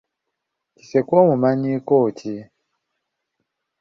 Kisekwa omumanyiiko ki?